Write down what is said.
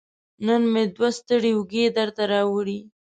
نن مې دوه ستړې اوږې درته راوړي